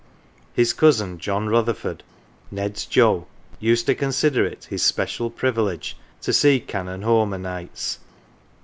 His cousin Joe Rutherford (Ned's Joe) used to consider it his special privilege to " see Canon home o' nights."